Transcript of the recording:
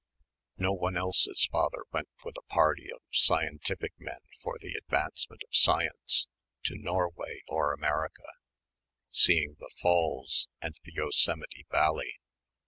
No one else's father went with a party of scientific men "for the advancement of science" to Norway or America, seeing the Falls and the Yosemite Valley.